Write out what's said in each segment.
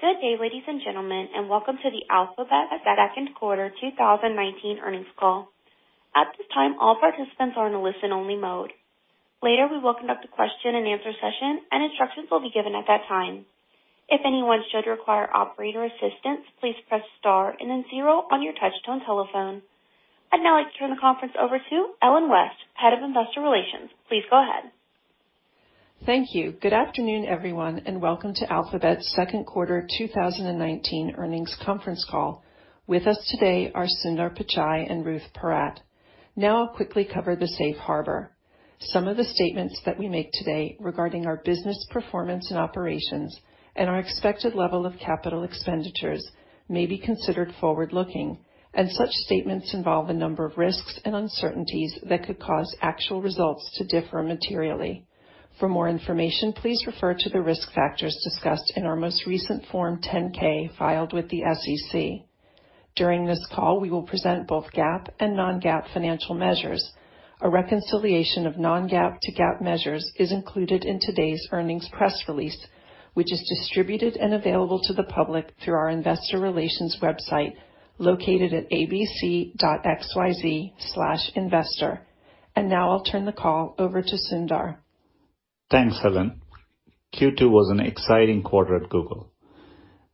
Good day, ladies and gentlemen, and welcome to the Alphabet's Ruth Porat 2019 earnings call. At this time, all participants are in a listen-only mode. Later, we will conduct a question-and-answer session, and instructions will be given at that time. If anyone should require operator assistance, please press star and then zero on your touch-tone telephone. I'd now like to turn the conference over to Ellen West, Head of Investor Relations. Please go ahead. Thank you. Good afternoon, everyone, and welcome to Alphabet's second quarter 2019 earnings conference call. With us today are Sundar Pichai and Ruth Porat. Now, I'll quickly cover the safe harbor. Some of the statements that we make today regarding our business performance and operations and our expected level of capital expenditures may be considered forward-looking, and such statements involve a number of risks and uncertainties that could cause actual results to differ materially. For more information, please refer to the risk factors discussed in our most recent Form 10-K filed with the SEC. During this call, we will present both GAAP and non-GAAP financial measures. A reconciliation of non-GAAP to GAAP measures is included in today's earnings press release, which is distributed and available to the public through our investor relations website located at abc.xyz/investor. And now, I'll turn the call over to Sundar. Thanks, Ellen. Q2 was an exciting quarter at Google.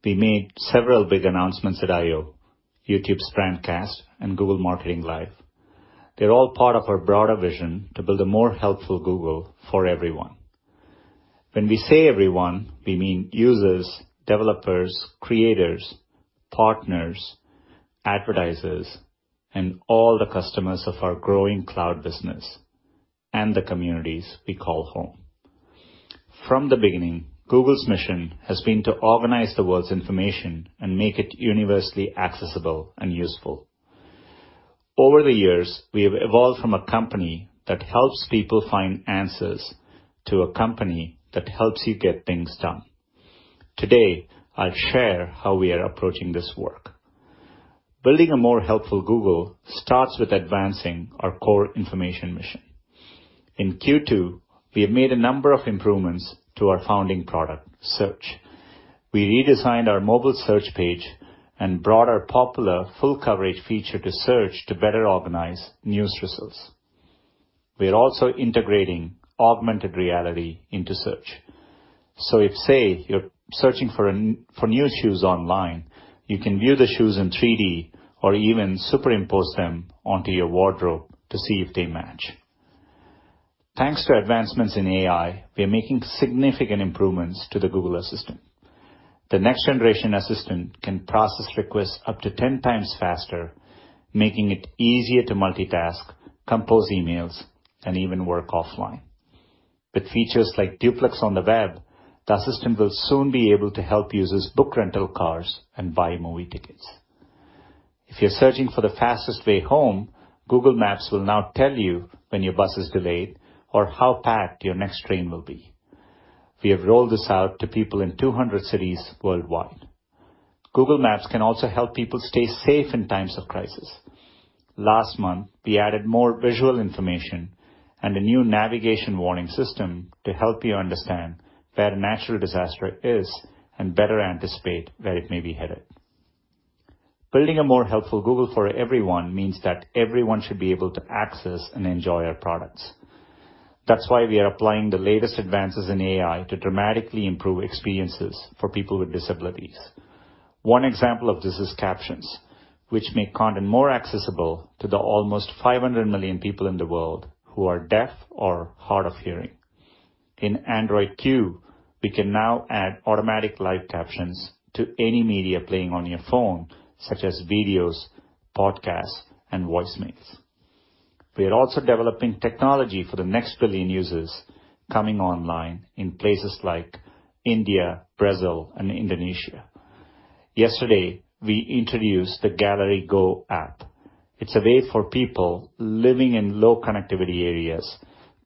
We made several big announcements at I/O, YouTube's Brandcast, and Google Marketing Live. They're all part of our broader vision to build a more helpful Google for everyone. When we say everyone, we mean users, developers, creators, partners, advertisers, and all the customers of our growing cloud business and the communities we call home. From the beginning, Google's mission has been to organize the world's information and make it universally accessible and useful. Over the years, we have evolved from a company that helps people find answers to a company that helps you get things done. Today, I'll share how we are approaching this work. Building a more helpful Google starts with advancing our core information mission. In Q2, we have made a number of improvements to our founding product, Search. We redesigned our mobile search page and brought our popular Full Coverage feature to Search to better organize news results. We are also integrating augmented reality into Search, so if, say, you're searching for new shoes online, you can view the shoes in 3D or even superimpose them onto your wardrobe to see if they match. Thanks to advancements in AI, we are making significant improvements to the Google Assistant. The next generation assistant can process requests up to 10 times faster, making it easier to multitask, compose emails, and even work offline. With features like Duplex on the Web, the assistant will soon be able to help users book rental cars and buy movie tickets. If you're searching for the fastest way home, Google Maps will now tell you when your bus is delayed or how packed your next train will be. We have rolled this out to people in 200 cities worldwide. Google Maps can also help people stay safe in times of crisis. Last month, we added more visual information and a new navigation warning system to help you understand where a natural disaster is and better anticipate where it may be headed. Building a more helpful Google for everyone means that everyone should be able to access and enjoy our products. That's why we are applying the latest advances in AI to dramatically improve experiences for people with disabilities. One example of this is captions, which make content more accessible to the almost 500 million people in the world who are deaf or hard of hearing. In Android Q, we can now add automatic live captions to any media playing on your phone, such as videos, podcasts, and voicemails. We are also developing technology for the next billion users coming online in places like India, Brazil, and Indonesia. Yesterday, we introduced the Gallery Go app. It's a way for people living in low-connectivity areas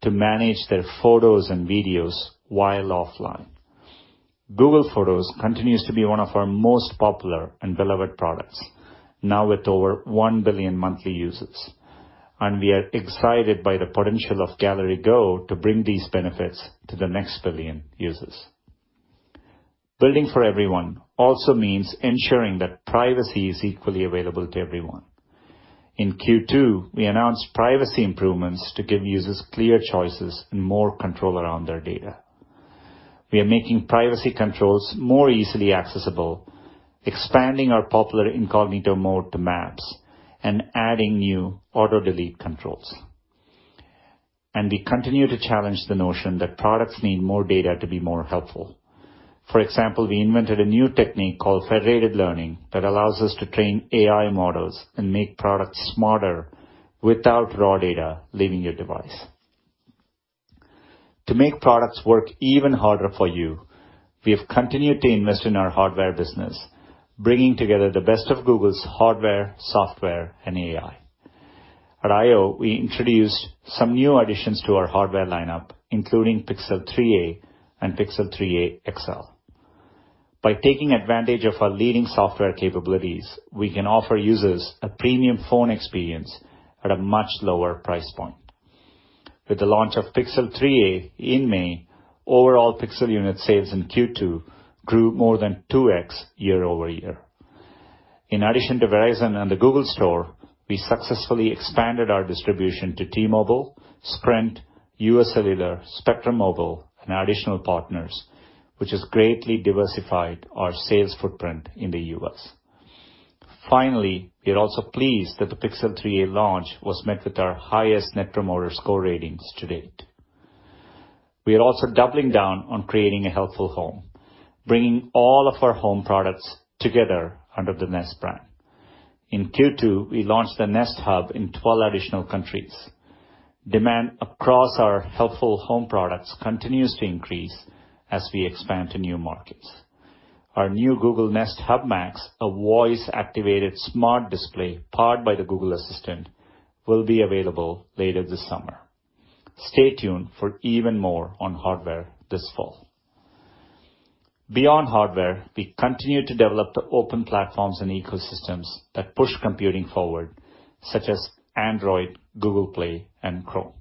to manage their photos and videos while offline. Google Photos continues to be one of our most popular and beloved products, now with over 1 billion monthly users, and we are excited by the potential of Gallery Go to bring these benefits to the next billion users. Building for everyone also means ensuring that privacy is equally available to everyone. In Q2, we announced privacy improvements to give users clear choices and more control around their data. We are making privacy controls more easily accessible, expanding our popular Incognito mode to Maps, and adding new auto-delete controls, and we continue to challenge the notion that products need more data to be more helpful. For example, we invented a new technique called federated learning that allows us to train AI models and make products smarter without raw data leaving your device. To make products work even harder for you, we have continued to invest in our hardware business, bringing together the best of Google's hardware, software, and AI. At I/O, we introduced some new additions to our hardware lineup, including Pixel 3a and Pixel 3a XL. By taking advantage of our leading software capabilities, we can offer users a premium phone experience at a much lower price point. With the launch of Pixel 3a in May, overall Pixel unit sales in Q2 grew more than 2x year over year. In addition to Verizon and the Google Store, we successfully expanded our distribution to T-Mobile, Sprint, U.S. Cellular, Spectrum Mobile, and additional partners, which has greatly diversified our sales footprint in the U.S.. Finally, we are also pleased that the Pixel 3a launch was met with our highest Net Promoter Score ratings to date. We are also doubling down on creating a helpful home, bringing all of our home products together under the Nest brand. In Q2, we launched the Nest Hub in 12 additional countries. Demand across our helpful home products continues to increase as we expand to new markets. Our new Google Nest Hub Max, a voice-activated smart display powered by the Google Assistant, will be available later this summer. Stay tuned for even more on hardware this fall. Beyond hardware, we continue to develop the open platforms and ecosystems that push computing forward, such as Android, Google Play, and Chrome.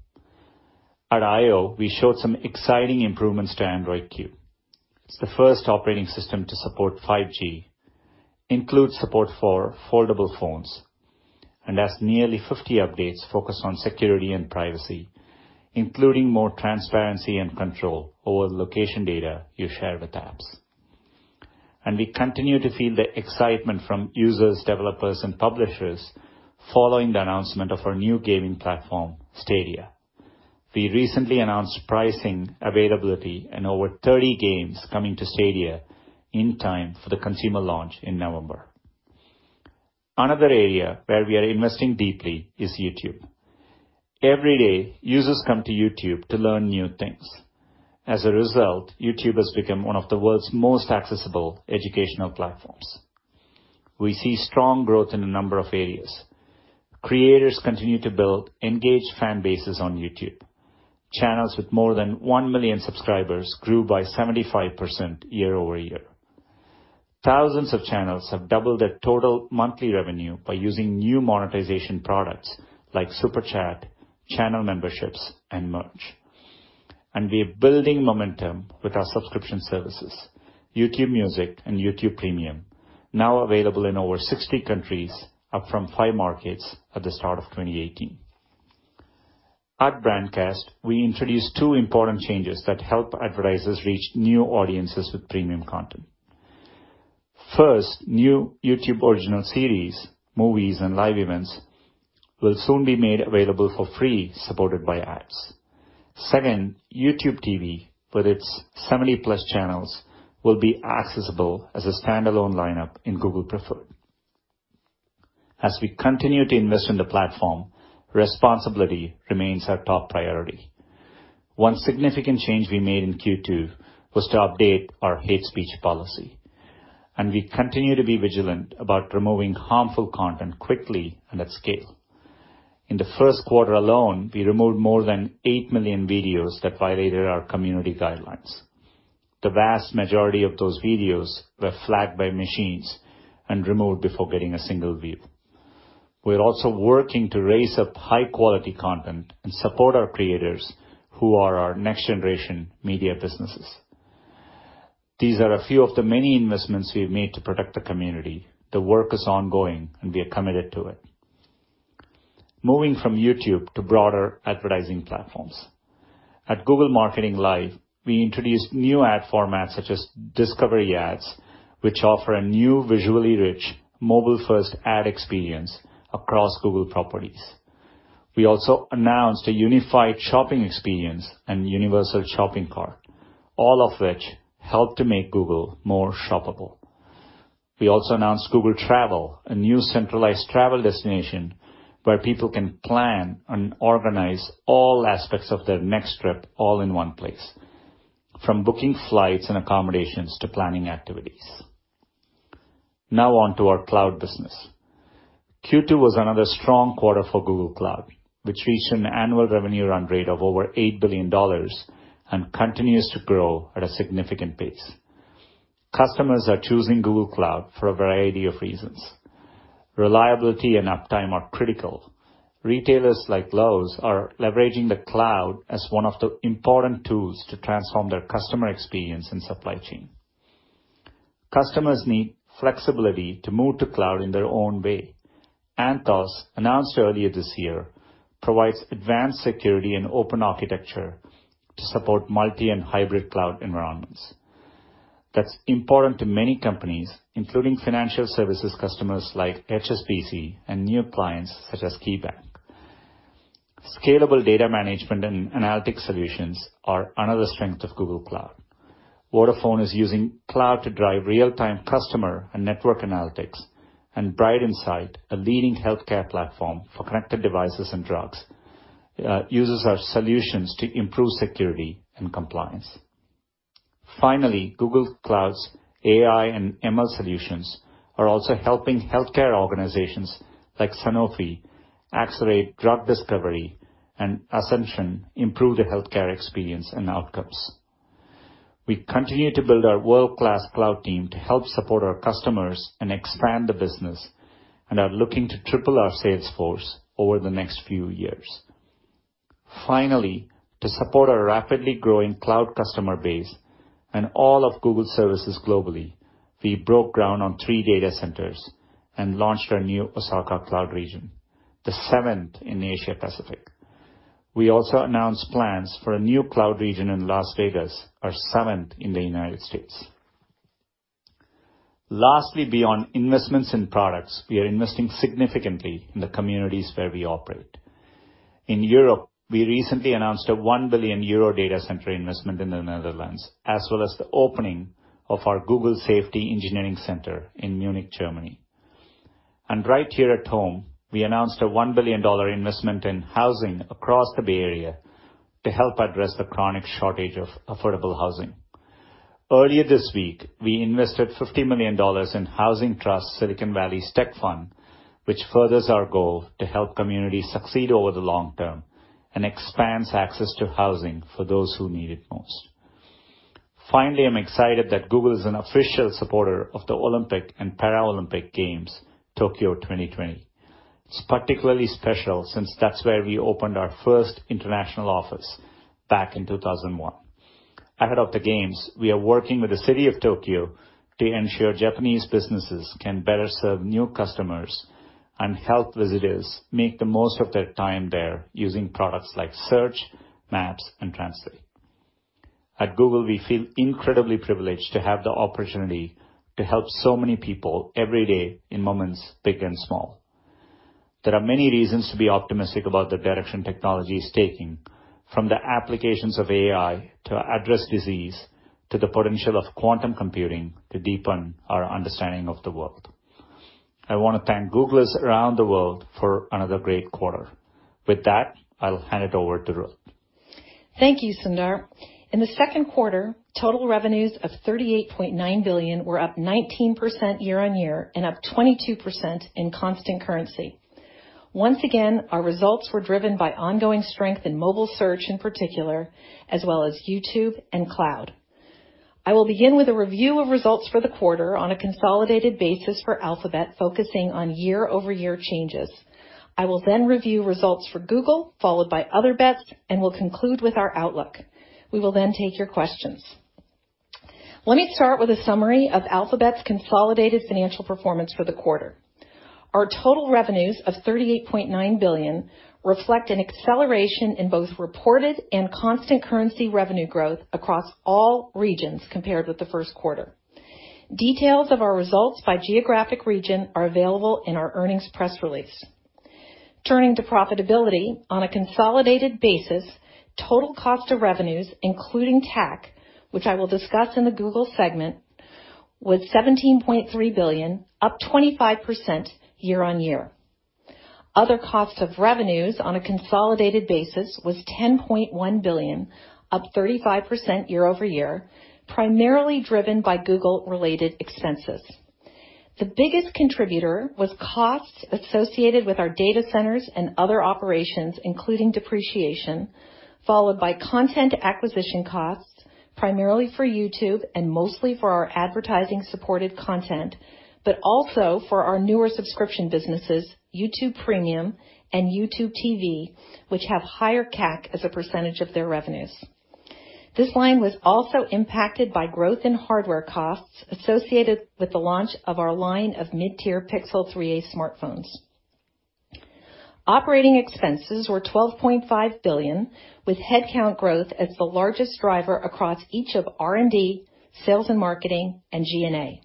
At I/O, we showed some exciting improvements to Android Q. It's the first operating system to support 5G, include support for foldable phones, and has nearly 50 updates focused on security and privacy, including more transparency and control over the location data you share with apps, and we continue to feel the excitement from users, developers, and publishers following the announcement of our new gaming platform, Stadia. We recently announced pricing availability and over 30 games coming to Stadia in time for the consumer launch in November. Another area where we are investing deeply is YouTube. Every day, users come to YouTube to learn new things. As a result, YouTube has become one of the world's most accessible educational platforms. We see strong growth in a number of areas. Creators continue to build engaged fan bases on YouTube. Channels with more than one million subscribers grew by 75% year over year. Thousands of channels have doubled their total monthly revenue by using new monetization products like Super Chat, channel memberships, and merch. And we are building momentum with our subscription services, YouTube Music and YouTube Premium, now available in over 60 countries, up from five markets at the start of 2018. At Brandcast, we introduced two important changes that help advertisers reach new audiences with premium content. First, new YouTube Original Series, movies, and live events will soon be made available for free, supported by ads. Second, YouTube TV, with its 70-plus channels, will be accessible as a standalone lineup in Google Preferred. As we continue to invest in the platform, responsibility remains our top priority. One significant change we made in Q2 was to update our hate speech policy. And we continue to be vigilant about removing harmful content quickly and at scale. In the first quarter alone, we removed more than eight million videos that violated our community guidelines. The vast majority of those videos were flagged by machines and removed before getting a single view. We are also working to raise up high-quality content and support our creators, who are our next generation media businesses. These are a few of the many investments we have made to protect the community. The work is ongoing, and we are committed to it. Moving from YouTube to broader advertising platforms. At Google Marketing Live, we introduced new ad formats such as Discovery ads, which offer a new visually rich, mobile-first ad experience across Google properties. We also announced a unified shopping experience and universal shopping cart, all of which help to make Google more shoppable. We also announced Google Travel, a new centralized travel destination where people can plan and organize all aspects of their next trip all in one place, from booking flights and accommodations to planning activities. Now, on to our cloud business. Q2 was another strong quarter for Google Cloud, which reached an annual revenue run rate of over $8 billion and continues to grow at a significant pace. Customers are choosing Google Cloud for a variety of reasons. Reliability and uptime are critical. Retailers like Lowe's are leveraging the cloud as one of the important tools to transform their customer experience and supply chain. Customers need flexibility to move to cloud in their own way. Anthos, announced earlier this year, provides advanced security and open architecture to support multi- and hybrid cloud environments. That's important to many companies, including financial services customers like HSBC and new clients such as KeyBank. Scalable data management and analytics solutions are another strength of Google Cloud. Vodafone is using cloud to drive real-time customer and network analytics, and BrightInsight, a leading healthcare platform for connected devices and drugs, uses our solutions to improve security and compliance. Finally, Google Cloud's AI and ML solutions are also helping healthcare organizations like Sanofi accelerate drug discovery and Ascension improve the healthcare experience and outcomes. We continue to build our world-class cloud team to help support our customers and expand the business, and are looking to triple our sales force over the next few years. Finally, to support our rapidly growing cloud customer base and all of Google services globally, we broke ground on three data centers and launched our new Osaka Cloud Region, the seventh in Asia-Pacific. We also announced plans for a new cloud region in Las Vegas, our seventh in the United States. Lastly, beyond investments in products, we are investing significantly in the communities where we operate. In Europe, we recently announced a 1 billion euro data center investment in the Netherlands, as well as the opening of our Google Safety Engineering Center in Munich, Germany. And right here at home, we announced a $1 billion investment in housing across the Bay Area to help address the chronic shortage of affordable housing. Earlier this week, we invested $50 million in Housing Trust Silicon Valley TECH Fund, which furthers our goal to help communities succeed over the long term and expands access to housing for those who need it most. Finally, I'm excited that Google is an official supporter of the Olympic and Paralympic Games, Tokyo 2020. It's particularly special since that's where we opened our first international office back in 2001. Ahead of the games, we are working with the city of Tokyo to ensure Japanese businesses can better serve new customers and help visitors make the most of their time there using products like Search, Maps, and Translate. At Google, we feel incredibly privileged to have the opportunity to help so many people every day in moments big and small. There are many reasons to be optimistic about the direction technology is taking, from the applications of AI to address disease to the potential of quantum computing to deepen our understanding of the world. I want to thank Googlers around the world for another great quarter. With that, I'll hand it over to Ruth. Thank you, Sundar. In the second quarter, total revenues of $38.9 billion were up 19% year on year and up 22% in constant currency. Once again, our results were driven by ongoing strength in mobile search in particular, as well as YouTube and cloud. I will begin with a review of results for the quarter on a consolidated basis for Alphabet, focusing on year-over-year changes. I will then review results for Google, followed by Other Bets, and will conclude with our outlook. We will then take your questions. Let me start with a summary of Alphabet's consolidated financial performance for the quarter. Our total revenues of $38.9 billion reflect an acceleration in both reported and constant currency revenue growth across all regions compared with the first quarter. Details of our results by geographic region are available in our earnings press release. Turning to profitability, on a consolidated basis, total cost of revenues, including TAC, which I will discuss in the Google segment, was $17.3 billion, up 25% year on year. Other cost of revenues on a consolidated basis was $10.1 billion, up 35% year over year, primarily driven by Google-related expenses. The biggest contributor was costs associated with our data centers and other operations, including depreciation, followed by content acquisition costs, primarily for YouTube and mostly for our advertising-supported content, but also for our newer subscription businesses, YouTube Premium and YouTube TV, which have higher CAC as a percentage of their revenues. This line was also impacted by growth in hardware costs associated with the launch of our line of mid-tier Pixel 3a smartphones. Operating expenses were $12.5 billion, with headcount growth as the largest driver across each of R&D, Sales and Marketing, and G&A.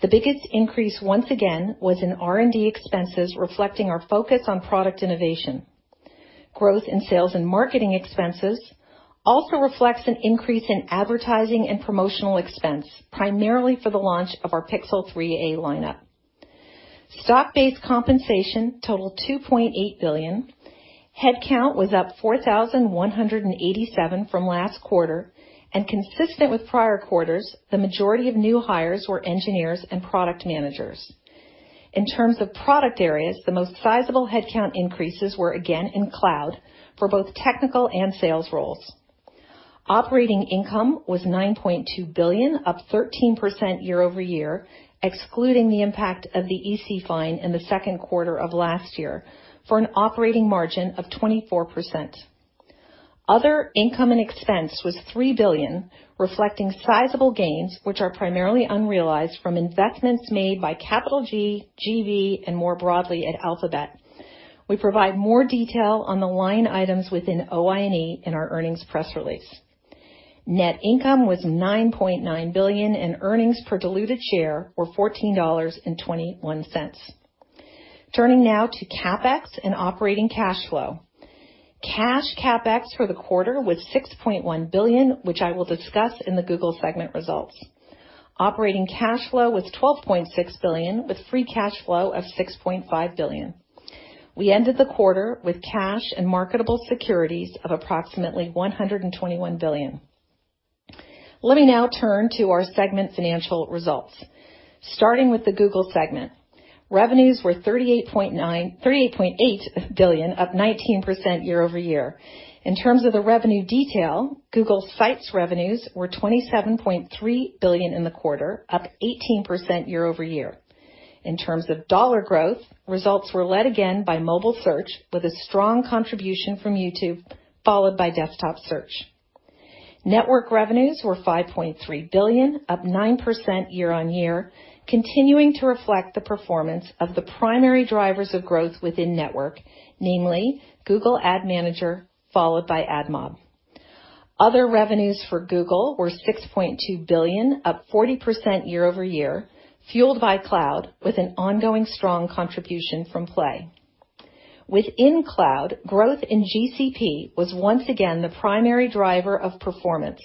The biggest increase once again was in R&D expenses, reflecting our focus on product innovation. Growth in sales and marketing expenses also reflects an increase in advertising and promotional expense, primarily for the launch of our Pixel 3a lineup. Stock-based compensation totaled $2.8 billion. Headcount was up 4,187 from last quarter, and consistent with prior quarters, the majority of new hires were engineers and product managers. In terms of product areas, the most sizable headcount increases were again in cloud for both technical and sales roles. Operating income was $9.2 billion, up 13% year over year, excluding the impact of the EC fine in the second quarter of last year, for an operating margin of 24%. Other income and expense was $3 billion, reflecting sizable gains, which are primarily unrealized from investments made by CapitalG, GV, and more broadly at Alphabet. We provide more detail on the line items within OI&E in our earnings press release. Net income was $9.9 billion, and earnings per diluted share were $14.21. Turning now to CapEx and operating cash flow. Cash CapEx for the quarter was $6.1 billion, which I will discuss in the Google segment results. Operating cash flow was $12.6 billion, with free cash flow of $6.5 billion. We ended the quarter with cash and marketable securities of approximately $121 billion. Let me now turn to our segment financial results. Starting with the Google segment, revenues were $38.8 billion, up 19% year over year. In terms of the revenue detail, Google Sites revenues were $27.3 billion in the quarter, up 18% year over year. In terms of dollar growth, results were led again by mobile search, with a strong contribution from YouTube, followed by desktop search. Network revenues were $5.3 billion, up 9% year on year, continuing to reflect the performance of the primary drivers of growth within network, namely Google Ad Manager, followed by AdMob. Other revenues for Google were $6.2 billion, up 40% year over year, fueled by cloud, with an ongoing strong contribution from Play. Within cloud, growth in GCP was once again the primary driver of performance,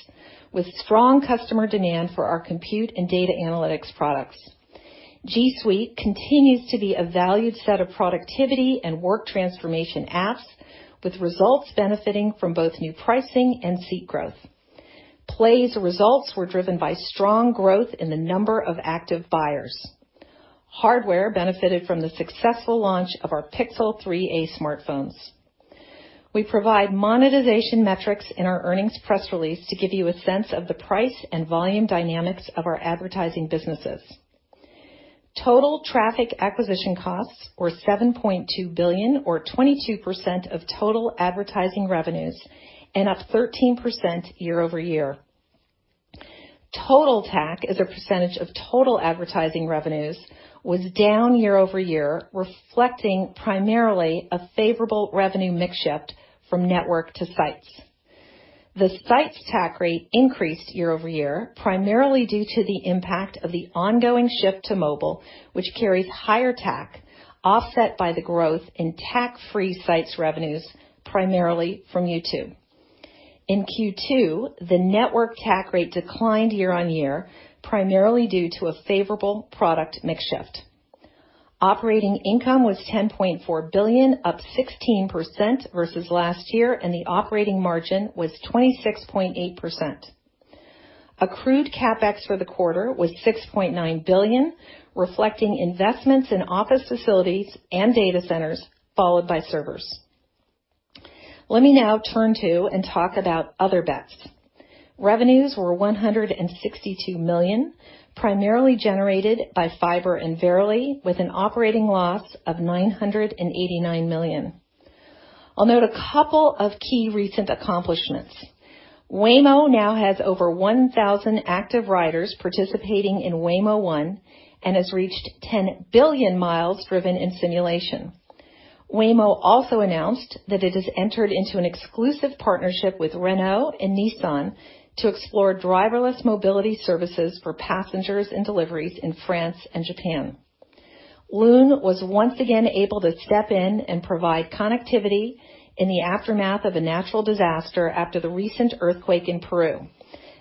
with strong customer demand for our compute and data analytics products. G Suite continues to be a valued set of productivity and work transformation apps, with results benefiting from both new pricing and seat growth. Play's results were driven by strong growth in the number of active buyers. Hardware benefited from the successful launch of our Pixel 3a smartphones. We provide monetization metrics in our earnings press release to give you a sense of the price and volume dynamics of our advertising businesses. Total traffic acquisition costs were $7.2 billion, or 22% of total advertising revenues, and up 13% year over year. Total TAC, as a percentage of total advertising revenues, was down year over year, reflecting primarily a favorable revenue mix shift from network to sites. The sites TAC rate increased year over year, primarily due to the impact of the ongoing shift to mobile, which carries higher TAC, offset by the growth in TAC-free sites revenues, primarily from YouTube. In Q2, the network TAC rate declined year on year, primarily due to a favorable product mix shift. Operating income was $10.4 billion, up 16% versus last year, and the operating margin was 26.8%. Accrued CapEx for the quarter was $6.9 billion, reflecting investments in office facilities and data centers, followed by servers. Let me now turn to and talk about Other Bets. Revenues were $162 million, primarily generated by fiber and Verily, with an operating loss of $989 million. I'll note a couple of key recent accomplishments. Waymo now has over 1,000 active riders participating in Waymo One and has reached 10 billion miles driven in simulation. Waymo also announced that it has entered into an exclusive partnership with Renault and Nissan to explore driverless mobility services for passengers and deliveries in France and Japan. Loon was once again able to step in and provide connectivity in the aftermath of a natural disaster after the recent earthquake in Peru.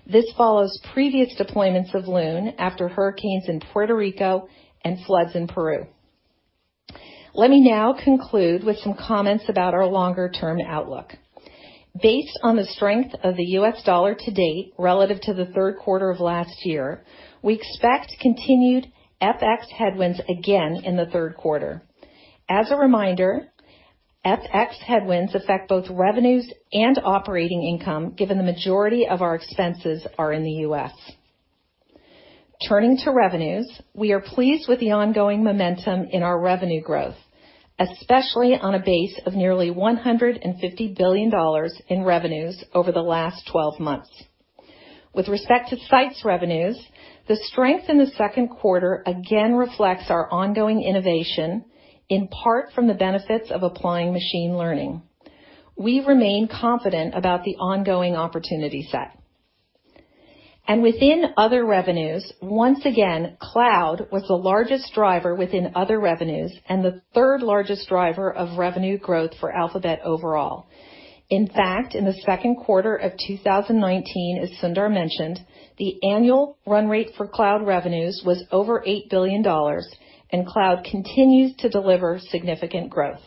This follows previous deployments of Loon after hurricanes in Puerto Rico and floods in Peru. Let me now conclude with some comments about our longer-term outlook. Based on the strength of the U.S. dollar to date relative to the third quarter of last year, we expect continued FX headwinds again in the third quarter. As a reminder, FX headwinds affect both revenues and operating income, given the majority of our expenses are in the U.S. Turning to revenues, we are pleased with the ongoing momentum in our revenue growth, especially on a base of nearly $150 billion in revenues over the last 12 months. With respect to Search revenues, the strength in the second quarter again reflects our ongoing innovation, in part from the benefits of applying machine learning. We remain confident about the ongoing opportunity set. And within other revenues, once again, Cloud was the largest driver within other revenues and the third largest driver of revenue growth for Alphabet overall. In fact, in the second quarter of 2019, as Sundar mentioned, the annual run rate for cloud revenues was over $8 billion, and cloud continues to deliver significant growth.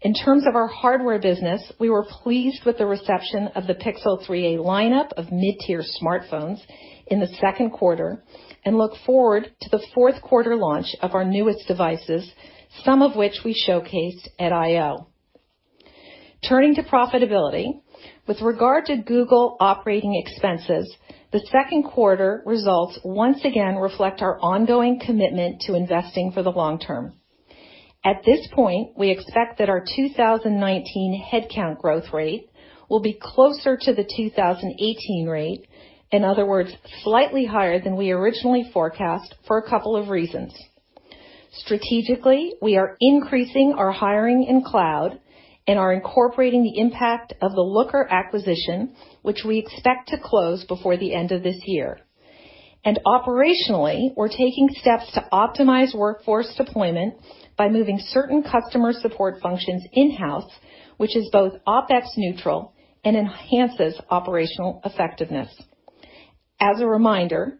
In terms of our hardware business, we were pleased with the reception of the Pixel 3a lineup of mid-tier smartphones in the second quarter and look forward to the fourth quarter launch of our newest devices, some of which we showcased at I/O. Turning to profitability, with regard to Google operating expenses, the second quarter results once again reflect our ongoing commitment to investing for the long term. At this point, we expect that our 2019 headcount growth rate will be closer to the 2018 rate, in other words, slightly higher than we originally forecast for a couple of reasons. Strategically, we are increasing our hiring in cloud and are incorporating the impact of the Looker acquisition, which we expect to close before the end of this year. And operationally, we're taking steps to optimize workforce deployment by moving certain customer support functions in-house, which is both OpEx-neutral and enhances operational effectiveness. As a reminder,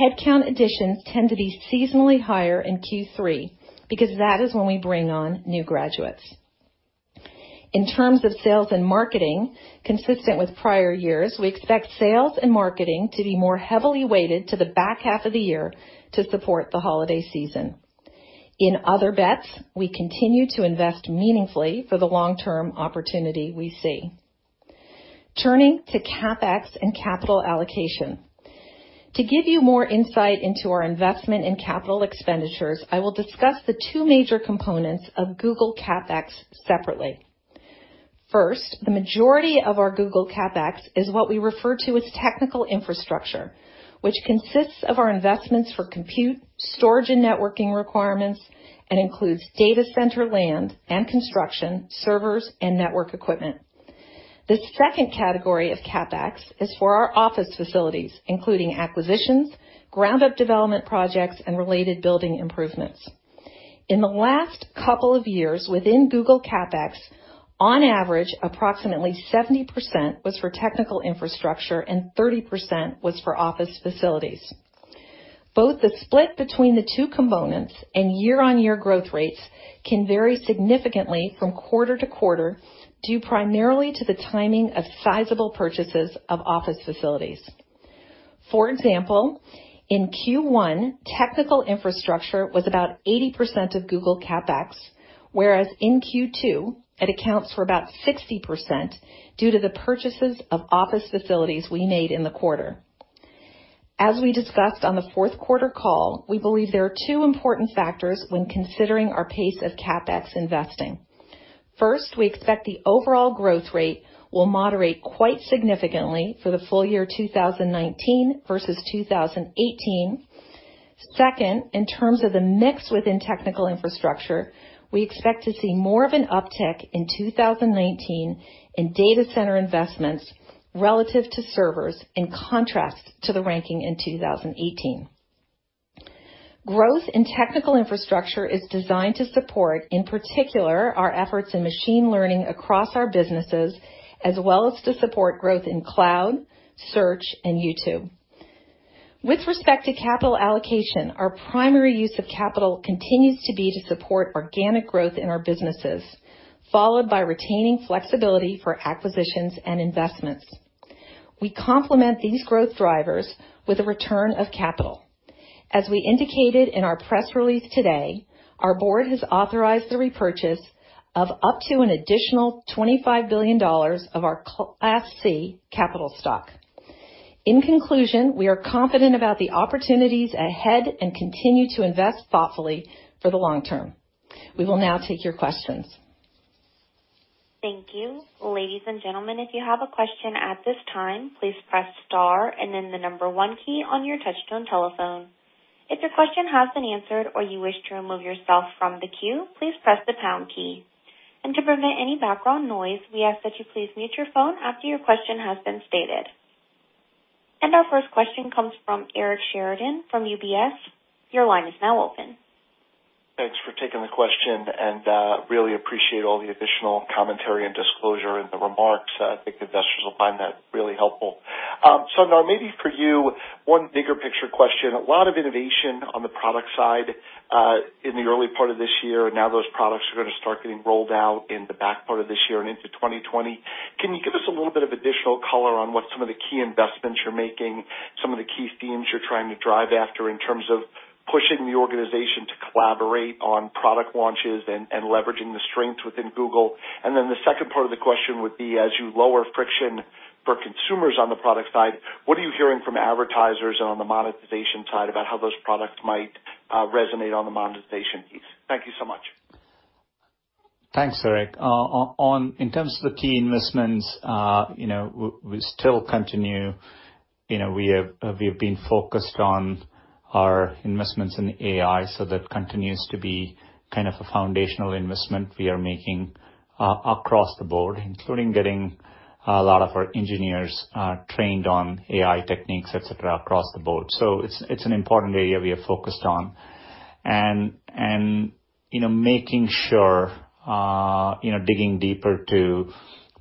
headcount additions tend to be seasonally higher in Q3 because that is when we bring on new graduates. In terms of sales and marketing, consistent with prior years, we expect sales and marketing to be more heavily weighted to the back half of the year to support the holiday season. In Other Bets, we continue to invest meaningfully for the long-term opportunity we see. Turning to CapEx and capital allocation. To give you more insight into our investment in capital expenditures, I will discuss the two major components of Google CapEx separately. First, the majority of our Google CapEx is what we refer to as technical infrastructure, which consists of our investments for compute, storage, and networking requirements and includes data center land and construction, servers, and network equipment. The second category of CapEx is for our office facilities, including acquisitions, ground-up development projects, and related building improvements. In the last couple of years within Google CapEx, on average, approximately 70% was for technical infrastructure and 30% was for office facilities. Both the split between the two components and year-on-year growth rates can vary significantly from quarter to quarter due primarily to the timing of sizable purchases of office facilities. For example, in Q1, technical infrastructure was about 80% of Google CapEx, whereas in Q2, it accounts for about 60% due to the purchases of office facilities we made in the quarter. As we discussed on the fourth quarter call, we believe there are two important factors when considering our pace of CapEx investing. First, we expect the overall growth rate will moderate quite significantly for the full year 2019 versus 2018. Second, in terms of the mix within technical infrastructure, we expect to see more of an uptick in 2019 in data center investments relative to servers in contrast to the ranking in 2018. Growth in technical infrastructure is designed to support, in particular, our efforts in machine learning across our businesses, as well as to support growth in cloud, search, and YouTube. With respect to capital allocation, our primary use of capital continues to be to support organic growth in our businesses, followed by retaining flexibility for acquisitions and investments. We complement these growth drivers with a return of capital. As we indicated in our press release today, our board has authorized the repurchase of up to an additional $25 billion of our Class C capital stock. In conclusion, we are confident about the opportunities ahead and continue to invest thoughtfully for the long term. We will now take your questions. Thank you. Ladies and gentlemen, if you have a question at this time, please press star and then the number one key on your touch-tone telephone. If your question has been answered or you wish to remove yourself from the queue, please press the pound key, and to prevent any background noise, we ask that you please mute your phone after your question has been stated, and our first question comes from Eric Sheridan from UBS. Your line is now open. Thanks for taking the question, and really appreciate all the additional commentary and disclosure in the remarks. I think investors will find that really helpful. Sundar, maybe for you, one bigger picture question. A lot of innovation on the product side in the early part of this year, and now those products are going to start getting rolled out in the back part of this year and into 2020. Can you give us a little bit of additional color on what some of the key investments you're making, some of the key themes you're trying to drive after in terms of pushing the organization to collaborate on product launches and leveraging the strength within Google? And then the second part of the question would be, as you lower friction for consumers on the product side, what are you hearing from advertisers and on the monetization side about how those products might resonate on the monetization piece? Thank you so much. Thanks, Eric. In terms of the key investments, we still continue. We have been focused on our investments in AI, so that continues to be kind of a foundational investment we are making across the board, including getting a lot of our engineers trained on AI techniques, etc., across the board. So it's an important area we are focused on. And making sure, digging deeper to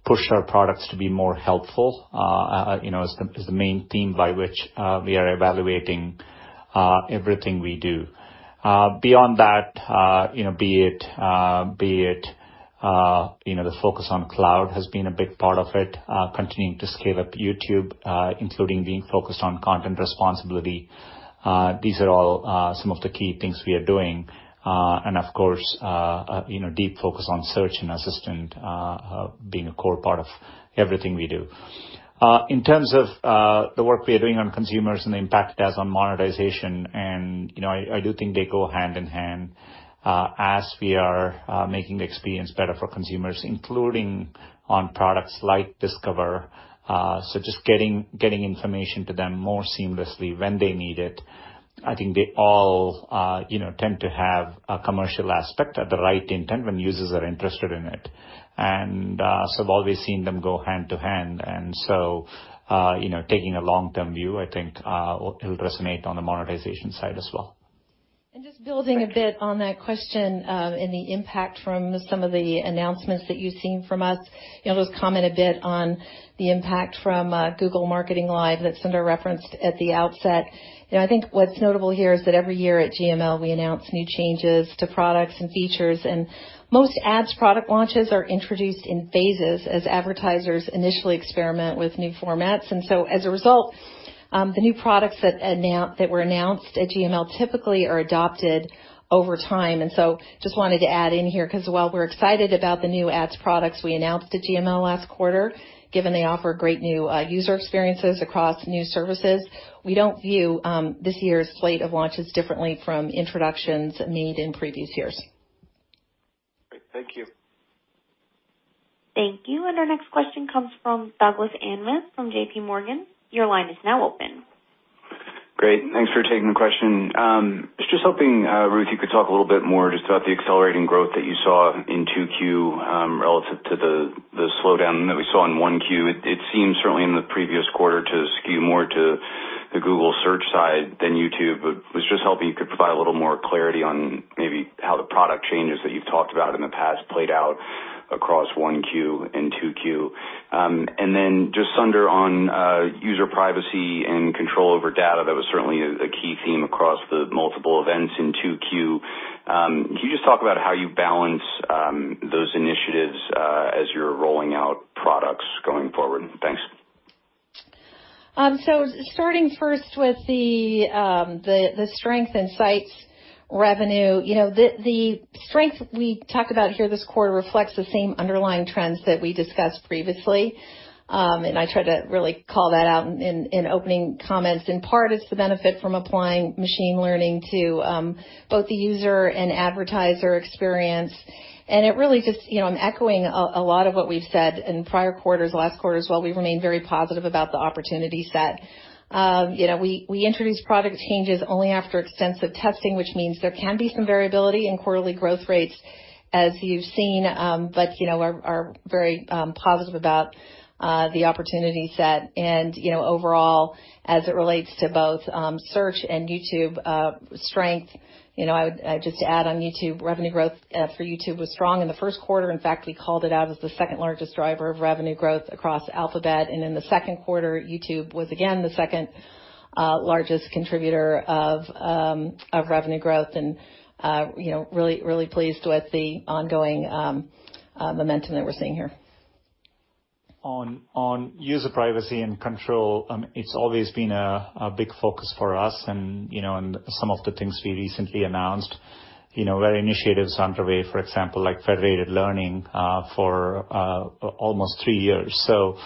push our products to be more helpful is the main theme by which we are evaluating everything we do. Beyond that, be it the focus on cloud has been a big part of it, continuing to scale up YouTube, including being focused on content responsibility. These are all some of the key things we are doing. And of course, deep focus on search and assistant being a core part of everything we do. In terms of the work we are doing on consumers and the impact it has on monetization, and I do think they go hand in hand as we are making the experience better for consumers, including on products like Discover. So just getting information to them more seamlessly when they need it. I think they all tend to have a commercial aspect at the right intent when users are interested in it. And so I've always seen them go hand to hand. And so taking a long-term view, I think it'll resonate on the monetization side as well. And just building a bit on that question and the impact from some of the announcements that you've seen from us, I'll just comment a bit on the impact from Google Marketing Live that Sundar referenced at the outset. I think what's notable here is that every year at GML, we announce new changes to products and features, and most ads product launches are introduced in phases as advertisers initially experiment with new formats, and so as a result, the new products that were announced at GML typically are adopted over time, and so just wanted to add in here because while we're excited about the new ads products we announced at GML last quarter, given they offer great new user experiences across new services, we don't view this year's slate of launches differently from introductions made in previous years. Great. Thank you. Thank you, and our next question comes from Douglas Anmuth from JPMorgan. Your line is now open. Great. Thanks for taking the question. Just hoping Ruth, you could talk a little bit more just about the accelerating growth that you saw in 2Q relative to the slowdown that we saw in 1Q. It seems certainly in the previous quarter to skew more to the Google search side than YouTube. But I was just hoping you could provide a little more clarity on maybe how the product changes that you've talked about in the past played out across 1Q and 2Q. And then just Sundar on user privacy and control over data, that was certainly a key theme across the multiple events in 2Q. Can you just talk about how you balance those initiatives as you're rolling out products going forward? Thanks. So starting first with the strength in Search revenue, the strength we talked about here this quarter reflects the same underlying trends that we discussed previously. I tried to really call that out in opening comments. In part, it's the benefit from applying machine learning to both the user and advertiser experience. It really just, I'm echoing a lot of what we've said in prior quarters, last quarter as well. We remain very positive about the opportunity set. We introduced product changes only after extensive testing, which means there can be some variability in quarterly growth rates, as you've seen, but are very positive about the opportunity set. Overall, as it relates to both search and YouTube strength, I would just add, on YouTube, revenue growth for YouTube was strong in the first quarter. In fact, we called it out as the second largest driver of revenue growth across Alphabet. In the second quarter, YouTube was again the second largest contributor of revenue growth. And really, really pleased with the ongoing momentum that we're seeing here. On user privacy and control, it's always been a big focus for us and some of the things we recently announced. We had initiatives underway, for example, like federated learning for almost three years. So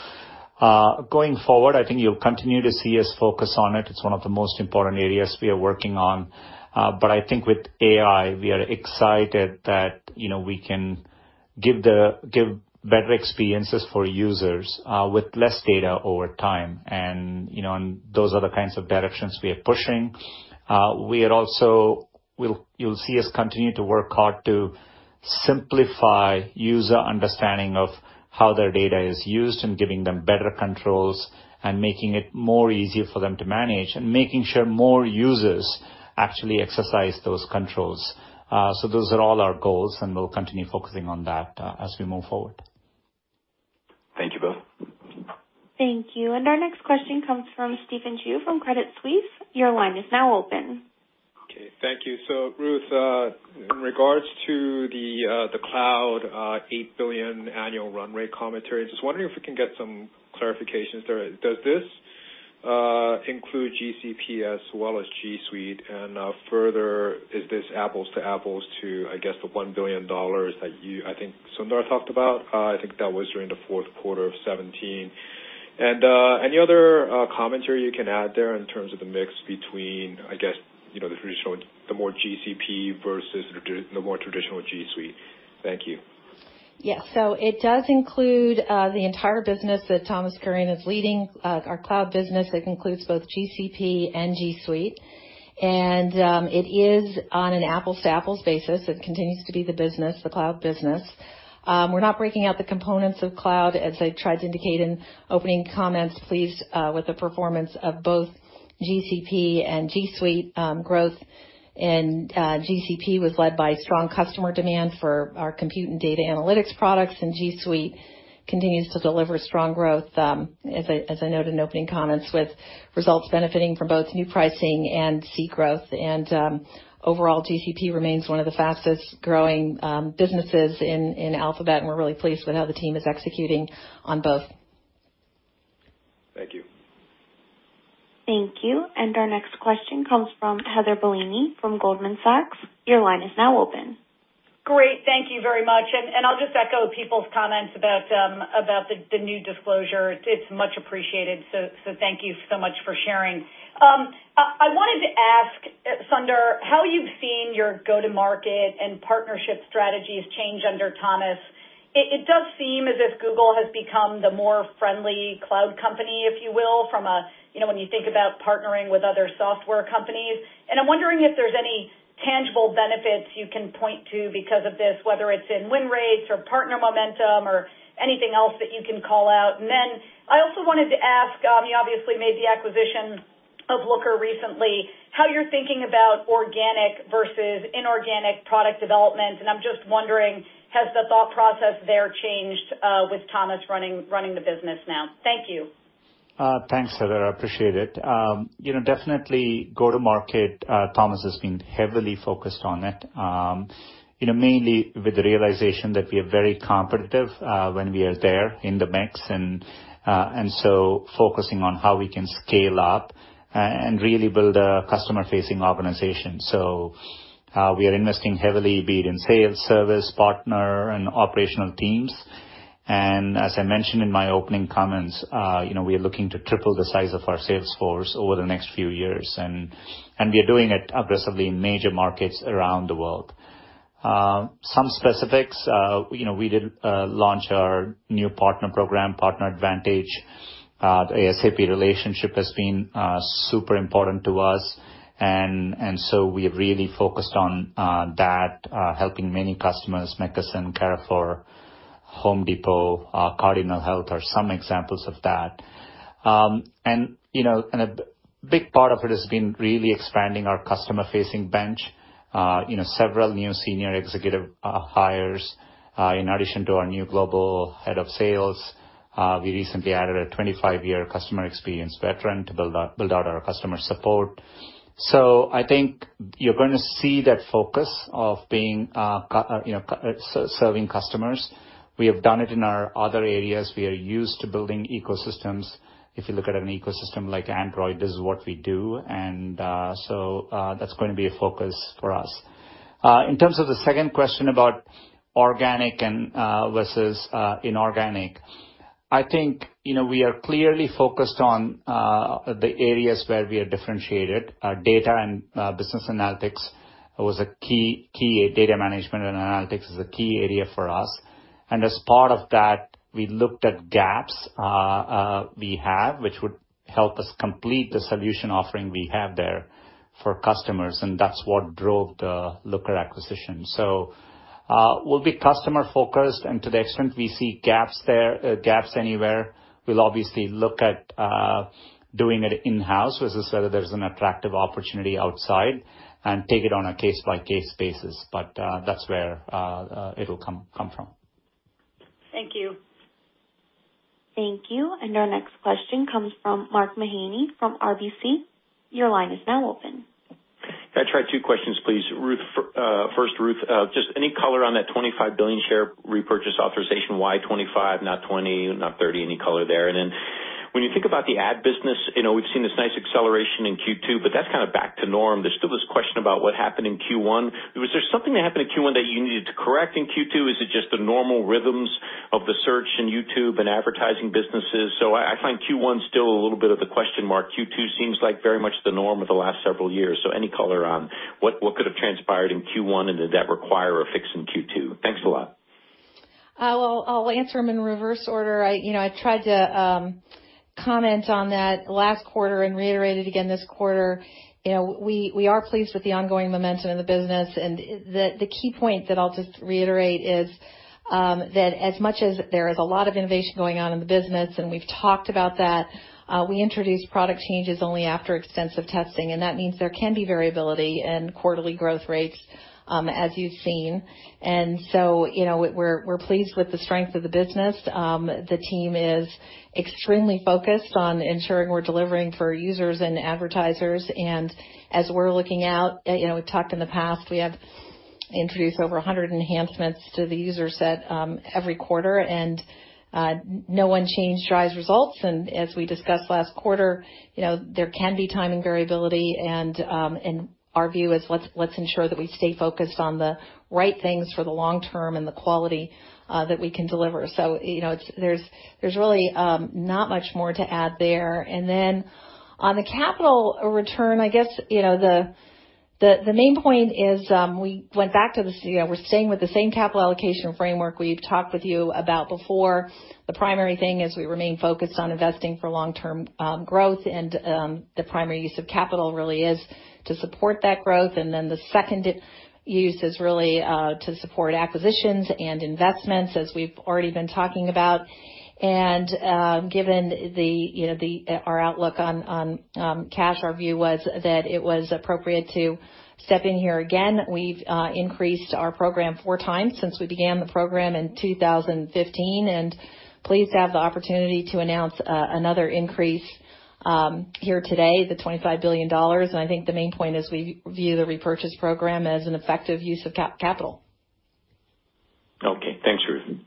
going forward, I think you'll continue to see us focus on it. It's one of the most important areas we are working on. But I think with AI, we are excited that we can give better experiences for users with less data over time. And those are the kinds of directions we are pushing. You'll see us continue to work hard to simplify user understanding of how their data is used and giving them better controls and making it more easier for them to manage and making sure more users actually exercise those controls. So those are all our goals, and we'll continue focusing on that as we move forward. Thank you both. Thank you. And our next question comes from Stephen Ju from Credit Suisse. Your line is now open. Okay. Thank you. So Ruth, in regards to the Cloud $8 billion annual run rate commentary, I'm just wondering if we can get some clarifications. Does this include GCP as well as G Suite? And further, is this apples to apples to, I guess, the $1 billion that I think Sundar talked about? I think that was during the fourth quarter of 2017. And any other commentary you can add there in terms of the mix between, I guess, the more GCP versus the more traditional G Suite? Thank you. Yeah. So it does include the entire business that Thomas Kurian is leading, our cloud business. It includes both GCP and G Suite. It is on an apples to apples basis. It continues to be the business, the cloud business. We're not breaking out the components of cloud, as I tried to indicate in opening comments. Pleased with the performance of both GCP and G Suite growth. GCP was led by strong customer demand for our compute and data analytics products, and G Suite continues to deliver strong growth, as I noted in opening comments, with results benefiting from both new pricing and seat growth. Overall, GCP remains one of the fastest growing businesses in Alphabet, and we're really pleased with how the team is executing on both. Thank you. Thank you. Our next question comes from Heather Bellini from Goldman Sachs. Your line is now open. Great. Thank you very much. I'll just echo people's comments about the new disclosure. It's much appreciated. So thank you so much for sharing. I wanted to ask, Sundar, how you've seen your go-to-market and partnership strategies change under Thomas. It does seem as if Google has become the more friendly cloud company, if you will, from when you think about partnering with other software companies. And I'm wondering if there's any tangible benefits you can point to because of this, whether it's in win rates or partner momentum or anything else that you can call out. And then I also wanted to ask, you obviously made the acquisition of Looker recently, how you're thinking about organic versus inorganic product development. And I'm just wondering, has the thought process there changed with Thomas running the business now? Thank you. Thanks, Heather. I appreciate it. Definitely, go-to-market. Thomas has been heavily focused on it, mainly with the realization that we are very competitive when we are there in the mix, and so focusing on how we can scale up and really build a customer-facing organization, so we are investing heavily, be it in sales, service, partner, and operational teams, and as I mentioned in my opening comments, we are looking to triple the size of our sales force over the next few years, and we are doing it aggressively in major markets around the world. Some specifics, we did launch our new partner program, Partner Advantage. The SAP relationship has been super important to us, and so we have really focused on that, helping many customers. McKesson, Carrefour, Home Depot, Cardinal Health are some examples of that, and a big part of it has been really expanding our customer-facing bench, several new senior executive hires. In addition to our new global head of sales, we recently added a 25-year customer experience veteran to build out our customer support. So I think you're going to see that focus of being serving customers. We have done it in our other areas. We are used to building ecosystems. If you look at an ecosystem like Android, this is what we do. And so that's going to be a focus for us. In terms of the second question about organic versus inorganic, I think we are clearly focused on the areas where we are differentiated. Data and business analytics was a key area. Data management and analytics is a key area for us. And as part of that, we looked at gaps we have, which would help us complete the solution offering we have there for customers. And that's what drove the Looker acquisition. So we'll be customer-focused. To the extent we see gaps there, gaps anywhere, we'll obviously look at doing it in-house, which is whether there's an attractive opportunity outside, and take it on a case-by-case basis. But that's where it'll come from. Thank you. Thank you. And our next question comes from Mark Mahaney from RBC. Your line is now open. Can I try two questions, please? First, Ruth, just any color on that $25 billion share repurchase authorization? Why 25, not 20, not 30? Any color there? And then when you think about the ad business, we've seen this nice acceleration in Q2, but that's kind of back to norm. There's still this question about what happened in Q1. Was there something that happened in Q1 that you needed to correct in Q2? Is it just the normal rhythms of the search in YouTube and advertising businesses? So I find Q1 still a little bit of a question mark. Q2 seems like very much the norm of the last several years. So any color on what could have transpired in Q1, and did that require a fix in Q2? Thanks a lot. Well, I'll answer them in reverse order. I tried to comment on that last quarter and reiterate it again this quarter. We are pleased with the ongoing momentum in the business. And the key point that I'll just reiterate is that as much as there is a lot of innovation going on in the business, and we've talked about that, we introduced product changes only after extensive testing. And that means there can be variability in quarterly growth rates, as you've seen. And so we're pleased with the strength of the business. The team is extremely focused on ensuring we're delivering for users and advertisers. As we're looking out, we've talked in the past. We have introduced over 100 enhancements to the user set every quarter. No one change drives results. As we discussed last quarter, there can be timing variability. Our view is, let's ensure that we stay focused on the right things for the long term and the quality that we can deliver. So there's really not much more to add there. Then on the capital return, I guess the main point is we went back to. We're staying with the same capital allocation framework we've talked with you about before. The primary thing is we remain focused on investing for long-term growth. The primary use of capital really is to support that growth. Then the second use is really to support acquisitions and investments, as we've already been talking about. Given our outlook on cash, our view was that it was appropriate to step in here again. We've increased our program four times since we began the program in 2015. Pleased to have the opportunity to announce another increase here today, the $25 billion. I think the main point is we view the repurchase program as an effective use of capital. Okay. Thanks, Ruth.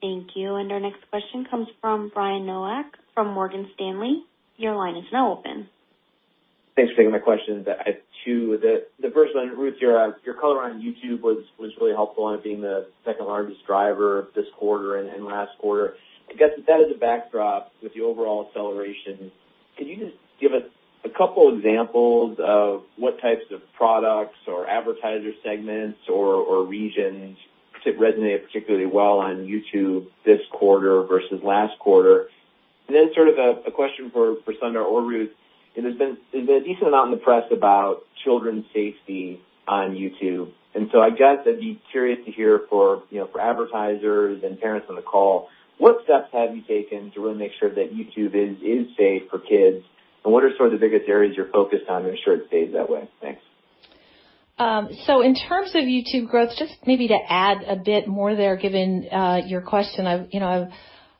Thank you. Our next question comes from Brian Nowak from Morgan Stanley. Your line is now open. Thanks for taking my question. To the first one, Ruth, your color on YouTube was really helpful on it being the second largest driver this quarter and last quarter. I guess with that as a backdrop, with the overall acceleration, could you just give us a couple of examples of what types of products or advertiser segments or regions resonate particularly well on YouTube this quarter versus last quarter? And then sort of a question for Sundar or Ruth. There's been a decent amount in the press about children's safety on YouTube. And so I guess I'd be curious to hear for advertisers and parents on the call, what steps have you taken to really make sure that YouTube is safe for kids? And what are sort of the biggest areas you're focused on to ensure it stays that way? Thanks. So in terms of YouTube growth, just maybe to add a bit more there, given your question, I've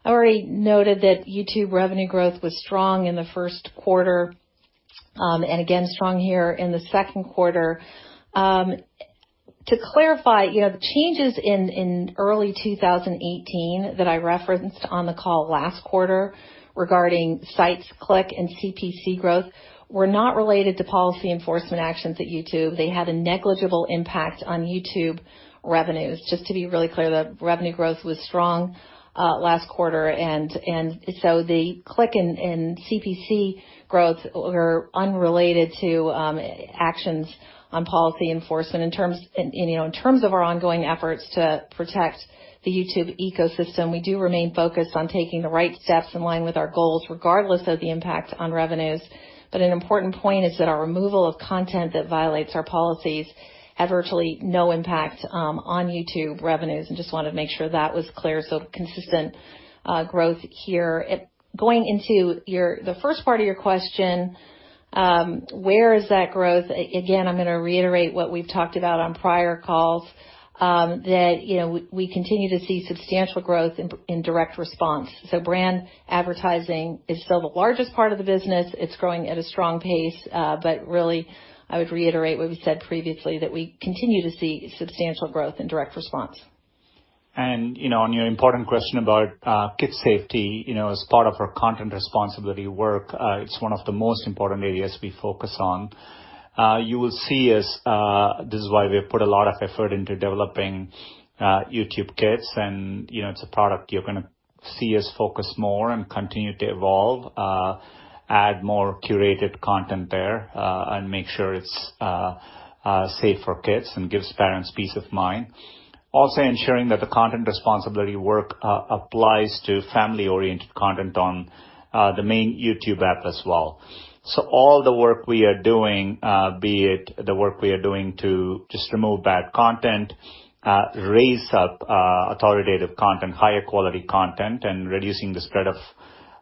already noted that YouTube revenue growth was strong in the first quarter and again, strong here in the second quarter. To clarify, the changes in early 2018 that I referenced on the call last quarter regarding Search click and CPC growth were not related to policy enforcement actions at YouTube. They had a negligible impact on YouTube revenues. Just to be really clear, the revenue growth was strong last quarter, and so the click and CPC growth were unrelated to actions on policy enforcement. In terms of our ongoing efforts to protect the YouTube ecosystem, we do remain focused on taking the right steps in line with our goals, regardless of the impact on revenues, but an important point is that our removal of content that violates our policies had virtually no impact on YouTube revenues, and just wanted to make sure that was clear, so consistent growth here. Going into the first part of your question, where is that growth? Again, I'm going to reiterate what we've talked about on prior calls, that we continue to see substantial growth in direct response. So brand advertising is still the largest part of the business. It's growing at a strong pace. But really, I would reiterate what we said previously, that we continue to see substantial growth in direct response. And on your important question about kids' safety, as part of our content responsibility work, it's one of the most important areas we focus on. You will see us. This is why we have put a lot of effort into developing YouTube Kids. And it's a product you're going to see us focus more and continue to evolve, add more curated content there, and make sure it's safe for kids and gives parents peace of mind. Also ensuring that the content responsibility work applies to family-oriented content on the main YouTube app as well. So all the work we are doing, be it the work we are doing to just remove bad content, raise up authoritative content, higher quality content, and reducing the spread of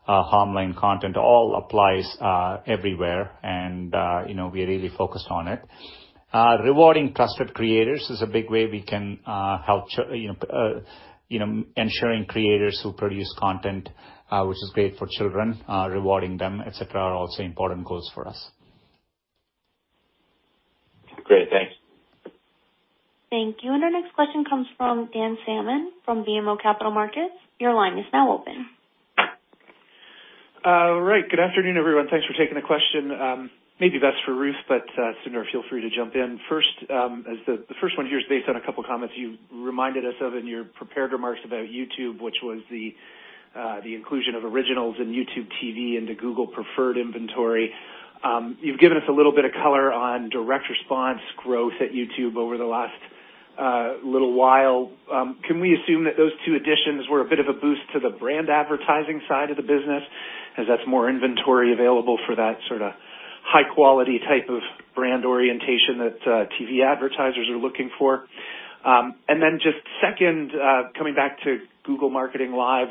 harmful content, all applies everywhere. And we are really focused on it. Rewarding trusted creators is a big way we can help ensuring creators who produce content, which is great for children, rewarding them, etc., are also important goals for us. Great. Thanks. Thank you. And our next question comes from Dan Salmon from BMO Capital Markets. Your line is now open. All right. Good afternoon, everyone. Thanks for taking the question. Maybe less for Ruth, but Sundar, feel free to jump in. First, the first one here is based on a couple of comments you reminded us of in your prepared remarks about YouTube, which was the inclusion of originals in YouTube TV into Google Preferred inventory. You've given us a little bit of color on direct response growth at YouTube over the last little while. Can we assume that those two additions were a bit of a boost to the brand advertising side of the business, as that's more inventory available for that sort of high-quality type of brand orientation that TV advertisers are looking for? And then just second, coming back to Google Marketing Live,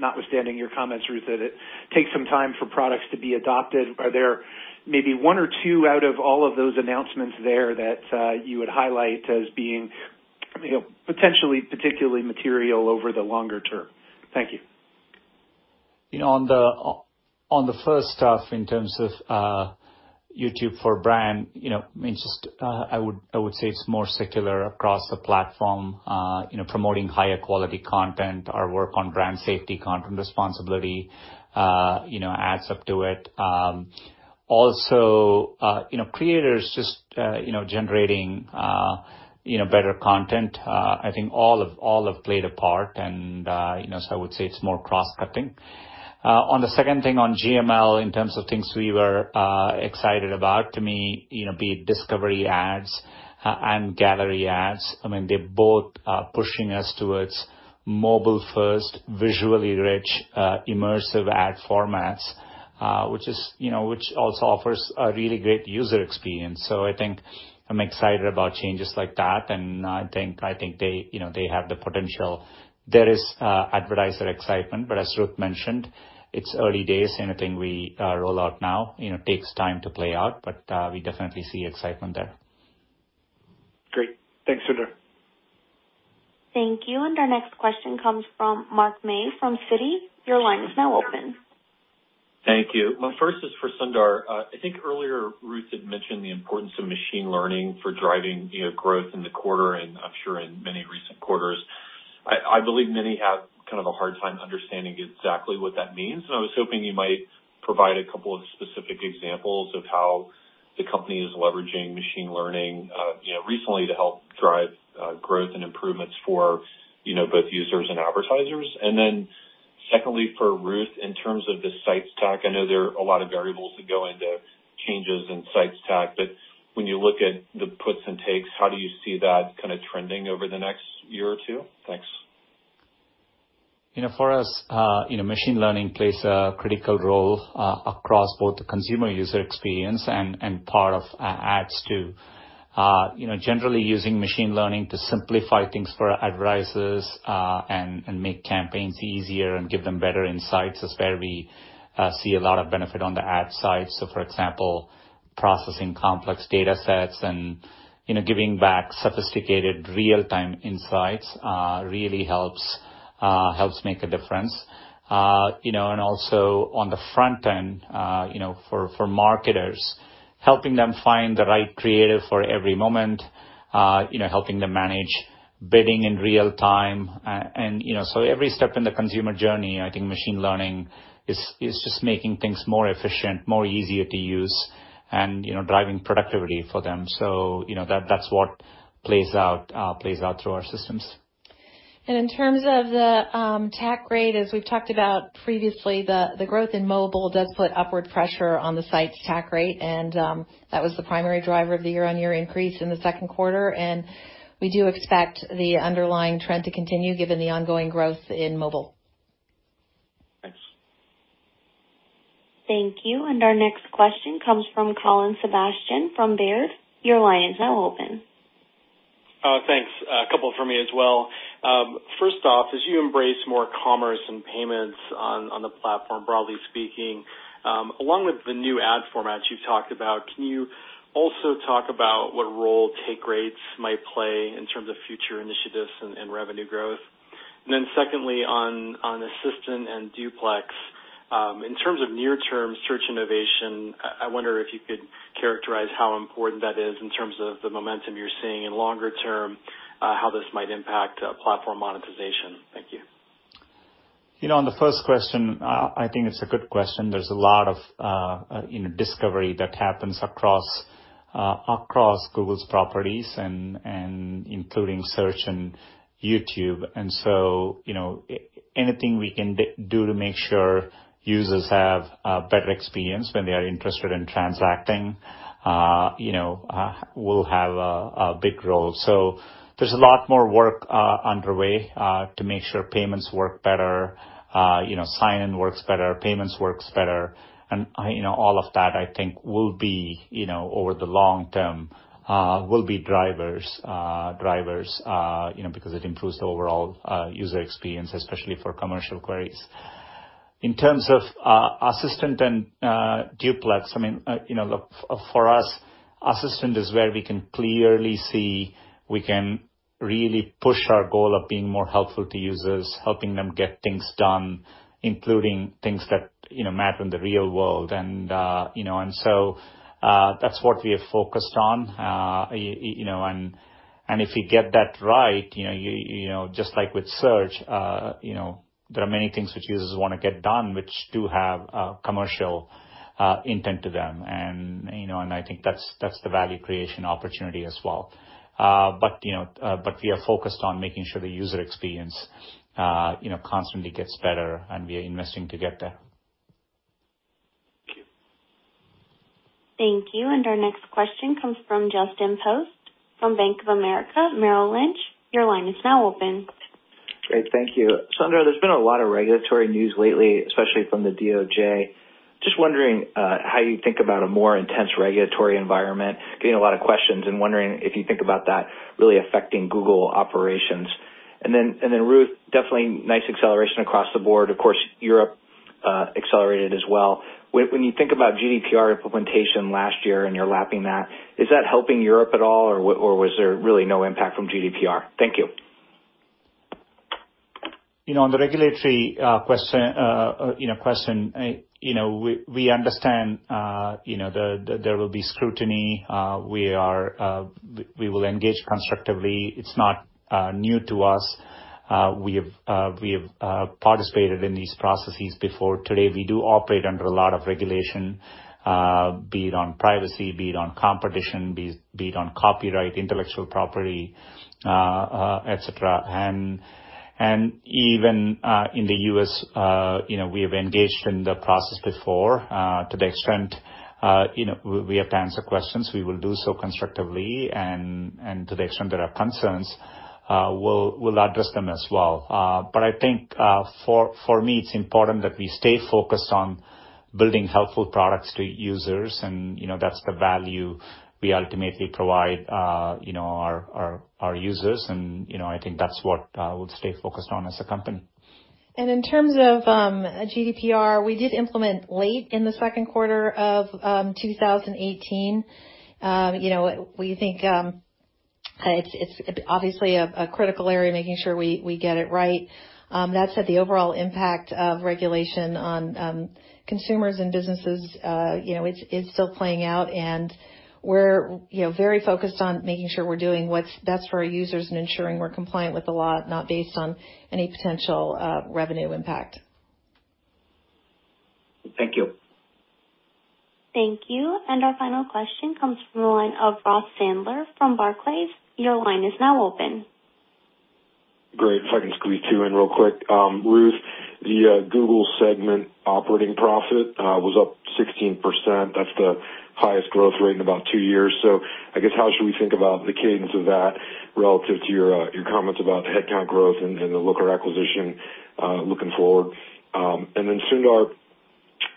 notwithstanding your comments, Ruth, that it takes some time for products to be adopted, are there maybe one or two out of all of those announcements there that you would highlight as being potentially particularly material over the longer term? Thank you. On the first stuff in terms of YouTube for brand, I mean, just I would say it's more secular across the platform, promoting higher quality content, our work on brand safety, content responsibility, adds up to it. Also, creators just generating better content, I think all have played a part. And so I would say it's more cross-cutting. On the second thing on GML, in terms of things we were excited about, to me, be it Discovery Ads and Gallery ads, I mean, they're both pushing us towards mobile-first, visually rich, immersive ad formats, which also offers a really great user experience. So I think I'm excited about changes like that. And I think they have the potential. There is advertiser excitement. But as Ruth mentioned, it's early days. Anything we roll out now takes time to play out. But we definitely see excitement there. Great. Thanks, Sundar. Thank you. Our next question comes from Mark May from Citi. Your line is now open. Thank you. My first is for Sundar. I think earlier, Ruth had mentioned the importance of machine learning for driving growth in the quarter and I'm sure in many recent quarters. I believe many have kind of a hard time understanding exactly what that means. And I was hoping you might provide a couple of specific examples of how the company is leveraging machine learning recently to help drive growth and improvements for both users and advertisers. And then secondly, for Ruth, in terms of the Search TAC, I know there are a lot of variables that go into changes in Search TAC. But when you look at the puts and takes, how do you see that kind of trending over the next year or two? Thanks. For us, machine learning plays a critical role across both the consumer user experience and part of ads too. Generally, using machine learning to simplify things for advertisers and make campaigns easier and give them better insights is where we see a lot of benefit on the ad side. So for example, processing complex data sets and giving back sophisticated real-time insights really helps make a difference. And also on the front end, for marketers, helping them find the right creative for every moment, helping them manage bidding in real time. And so every step in the consumer journey, I think machine learning is just making things more efficient, more easier to use, and driving productivity for them. So that's what plays out through our systems. In terms of the TAC rate, as we've talked about previously, the growth in mobile does put upward pressure on the Sites TAC rate. That was the primary driver of the year-on-year increase in the second quarter. We do expect the underlying trend to continue given the ongoing growth in mobile. Thanks. Thank you. Our next question comes from Colin Sebastian from Baird. Your line is now open. Thanks. A couple for me as well. First off, as you embrace more commerce and payments on the platform, broadly speaking, along with the new ad formats you've talked about, can you also talk about what role take rates might play in terms of future initiatives and revenue growth? Then secondly, on Assistant and Duplex, in terms of near-term search innovation, I wonder if you could characterize how important that is in terms of the momentum you're seeing in longer term, how this might impact platform monetization? Thank you. On the first question, I think it's a good question. There's a lot of discovery that happens across Google's properties, including search and YouTube. And so anything we can do to make sure users have a better experience when they are interested in transacting will have a big role. So there's a lot more work underway to make sure payments work better, sign-in works better, payments works better. And all of that, I think, will be over the long term, will be drivers because it improves the overall user experience, especially for commercial queries. In terms of assistant and duplex, I mean, for us, assistant is where we can clearly see we can really push our goal of being more helpful to users, helping them get things done, including things that matter in the real world. And so that's what we have focused on. And if you get that right, just like with search, there are many things which users want to get done which do have commercial intent to them. And I think that's the value creation opportunity as well. But we are focused on making sure the user experience constantly gets better, and we are investing to get there. Thank you. Thank you. And our next question comes from Justin Post from Bank of America Merrill Lynch. Your line is now open. Great. Thank you. Sundar, there's been a lot of regulatory news lately, especially from the DOJ. Just wondering how you think about a more intense regulatory environment, getting a lot of questions, and wondering if you think about that really affecting Google operations. And then, Ruth, definitely nice acceleration across the board. Of course, Europe accelerated as well. When you think about GDPR implementation last year and you're lapping that, is that helping Europe at all, or was there really no impact from GDPR? Thank you. On the regulatory question, we understand there will be scrutiny. We will engage constructively. It's not new to us. We have participated in these processes before. Today, we do operate under a lot of regulation, be it on privacy, be it on competition, be it on copyright, intellectual property, etc. And even in the U.S., we have engaged in the process before to the extent we have to answer questions. We will do so constructively. And to the extent there are concerns, we'll address them as well. But I think for me, it's important that we stay focused on building helpful products to users. And that's the value we ultimately provide our users. And I think that's what we'll stay focused on as a company. And in terms of GDPR, we did implement late in the second quarter of 2018. We think it's obviously a critical area making sure we get it right. That said, the overall impact of regulation on consumers and businesses is still playing out. And we're very focused on making sure we're doing what's best for our users and ensuring we're compliant with the law, not based on any potential revenue impact. Thank you. Thank you. And our final question comes from the line of Ross Sandler from Barclays. Your line is now open. Great. If I can squeeze you in real quick. Ruth, the Google segment operating profit was up 16%. That's the highest growth rate in about two years. So I guess how should we think about the cadence of that relative to your comments about headcount growth and the Looker acquisition looking forward? And then, Sundar,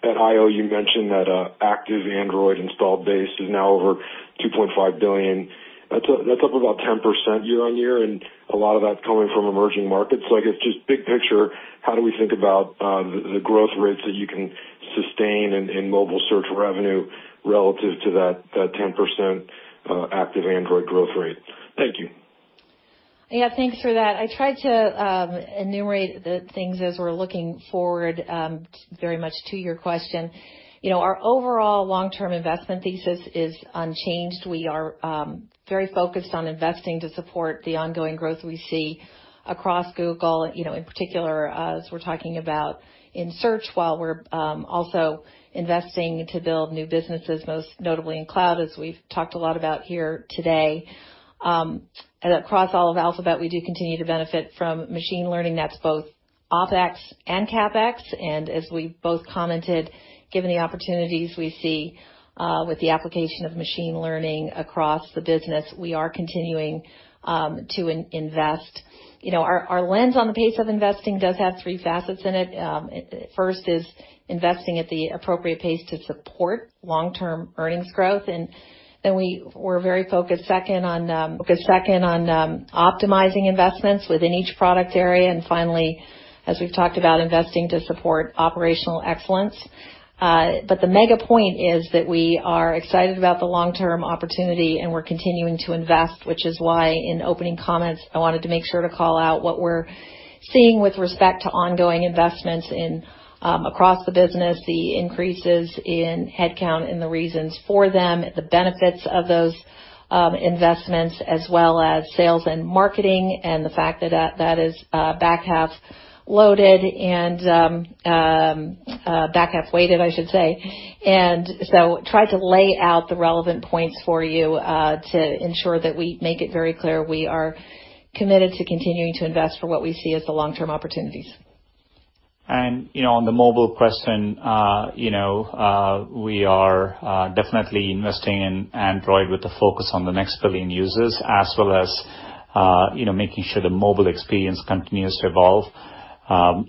at I/O, you mentioned that active Android installed base is now over 2.5 billion. That's up about 10% year on year, and a lot of that's coming from emerging markets. So I guess just big picture, how do we think about the growth rates that you can sustain in mobile search revenue relative to that 10% active Android growth rate? Thank you. Yeah. Thanks for that. I tried to enumerate the things as we're looking forward very much to your question. Our overall long-term investment thesis is unchanged. We are very focused on investing to support the ongoing growth we see across Google, in particular, as we're talking about in search while we're also investing to build new businesses, most notably in cloud, as we've talked a lot about here today. Across all of Alphabet, we do continue to benefit from machine learning. That's both OpEx and CapEx, and as we've both commented, given the opportunities we see with the application of machine learning across the business, we are continuing to invest. Our lens on the pace of investing does have three facets in it. First is investing at the appropriate pace to support long-term earnings growth. And then we're very focused second on optimizing investments within each product area, and finally, as we've talked about, investing to support operational excellence. But the mega point is that we are excited about the long-term opportunity, and we're continuing to invest, which is why in opening comments, I wanted to make sure to call out what we're seeing with respect to ongoing investments across the business, the increases in headcount and the reasons for them, the benefits of those investments, as well as sales and marketing, and the fact that that is back half loaded and back half weighted, I should say. And so tried to lay out the relevant points for you to ensure that we make it very clear we are committed to continuing to invest for what we see as the long-term opportunities. And on the mobile question, we are definitely investing in Android with a focus on the next billion users, as well as making sure the mobile experience continues to evolve.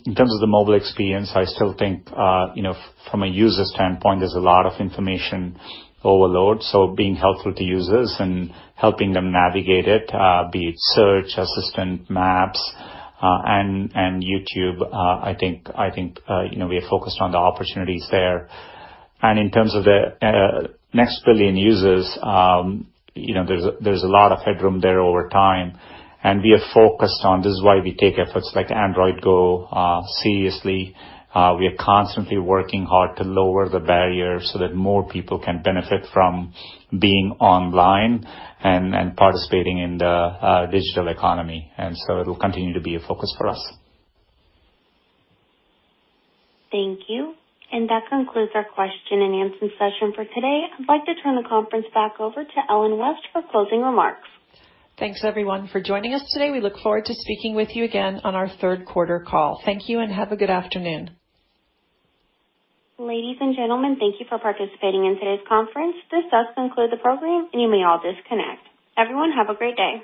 In terms of the mobile experience, I still think from a user standpoint, there's a lot of information overload. So being helpful to users and helping them navigate it, be it search, assistant, maps, and YouTube, I think we are focused on the opportunities there. And in terms of the next billion users, there's a lot of headroom there over time. And we are focused on this is why we take efforts like Android Go seriously. We are constantly working hard to lower the barrier so that more people can benefit from being online and participating in the digital economy. And so it will continue to be a focus for us. Thank you. And that concludes our question and answer session for today. I'd like to turn the conference back over to Ellen West for closing remarks. Thanks, everyone, for joining us today. We look forward to speaking with you again on our third quarter call. Thank you, and have a good afternoon. Ladies and gentlemen, thank you for participating in today's conference. This does conclude the program, and you may all disconnect. Everyone, have a great day.